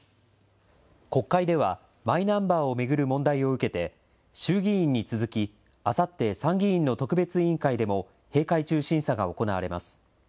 国会では、マイナンバーを巡る問題を受けて、衆議院に続きあさって、参議院の特別委員会でも閉会中審査が行われます。